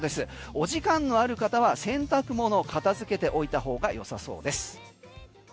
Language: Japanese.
お時間のある方は洗濯物を片付けておいたほうがよさそうです。